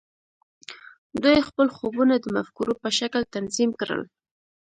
دوی خپل خوبونه د مفکورو په شکل تنظیم کړل